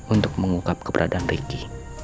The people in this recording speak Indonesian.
untuk mengungkap keberadaan ricky